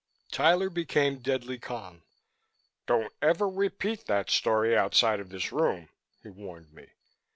Tyler became deadly calm. "Don't ever repeat that story outside of this room," he warned me.